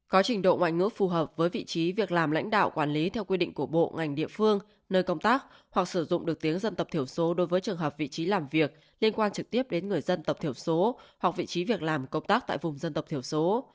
có trình độ ngoại ngữ phù hợp với vị trí việc làm lãnh đạo quản lý theo quy định của bộ ngành địa phương nơi công tác hoặc sử dụng được tiếng dân tộc thiểu số đối với trường hợp vị trí làm việc liên quan trực tiếp đến người dân tộc thiểu số hoặc vị trí việc làm công tác tại vùng dân tộc thiểu số